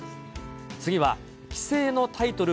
次は、棋聖のタイトル